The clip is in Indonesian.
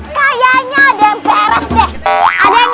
kayaknya ada yang beres deh